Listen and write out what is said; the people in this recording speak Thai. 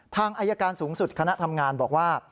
ทางอายการสูงสุดคณะทำงานบอกว่า